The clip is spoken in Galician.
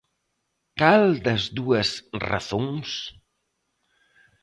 ¿Cal das dúas razóns?